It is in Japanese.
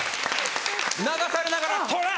流されながら撮れ！